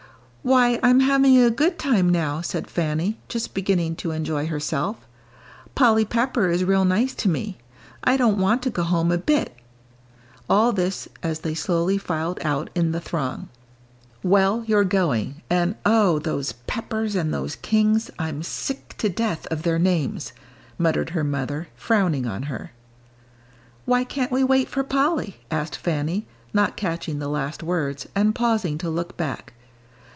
"Why, I'm having a good time now," said Fanny, just beginning to enjoy herself. "Polly Pepper is real nice to me. I don't want to go home a bit." All this as they slowly filed out in the throng. "Well, you're going; and, oh, those Peppers and those Kings, I'm sick to death of their names," muttered her mother, frowning on her. "Why can't we wait for Polly?" asked Fanny, not catching the last words, and pausing to look back.